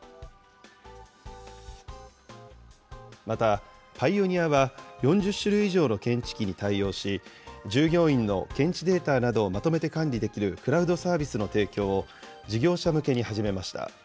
また、パイオニアは、４０種類以上の検知器に対応し、従業員の検知データなどをまとめて管理できるクラウドサービスの提供を、事業者向けに始めました。